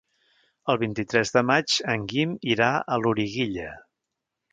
El vint-i-tres de maig en Guim irà a Loriguilla.